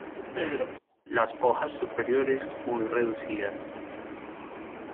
Las hojas superiores muy reducidas.